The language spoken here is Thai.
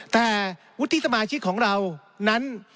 แต่วุฒิสมาชิกของเรานั้น